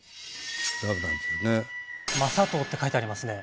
「雅刀」って書いてありますね。